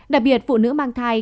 đặc biệt phụ nữ mang thai